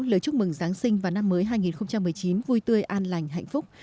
lời chúc mừng giáng sinh và năm mới hai nghìn một mươi chín vui tươi an lành hạnh phúc